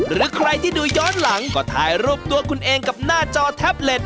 หรือใครที่ดูย้อนหลังก็ถ่ายรูปตัวคุณเองกับหน้าจอแท็บเล็ต